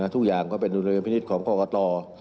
ทุกอย่างก็เป็นดุลิเวณพินิษฐ์ของข้อกระต่อ